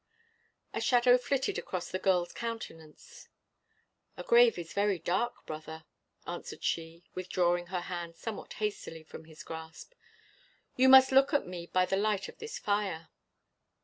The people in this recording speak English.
A shadow flitted across the girl's countenance. "The grave is very dark, brother," answered she, withdrawing her hand somewhat hastily from his grasp. "You must look your last at me by the light of this fire."